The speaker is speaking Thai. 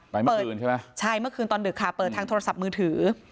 เมื่อคืนใช่ไหมใช่เมื่อคืนตอนดึกค่ะเปิดทางโทรศัพท์มือถือ